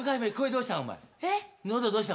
喉どうした？